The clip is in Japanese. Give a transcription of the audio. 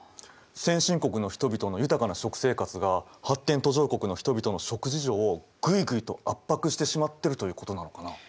先進国の人々の豊かな食生活が発展途上国の人々の食事情をグイグイと圧迫してしまってるということなのかな。